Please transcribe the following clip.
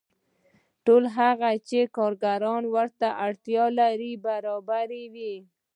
ټول هغه څه چې کارګران ورته اړتیا لري برابروي